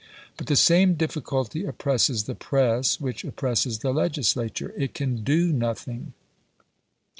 But the same difficulty oppresses the press which oppresses the legislature. It can DO NOTHING.